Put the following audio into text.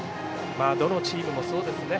どのチームもそうですね。